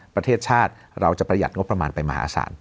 ประเทศชาติเราจะประหยัดงบประมาณไปมหาศาล